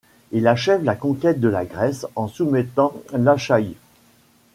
Il achève la conquête de la Grèce en soumettant l'Achaïe.